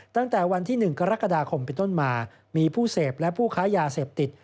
ตั้งแต่วันที่๑กรกฎาคมเป็นต้นมามีผู้เสพและผู้ค้ายาเสพติด